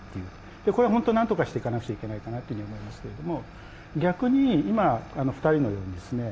でこれはほんと何とかしていかなくちゃいけないかなっていうふうに思いますけれども逆に今２人のようにですね